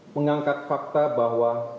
mengangkat fakta bahwa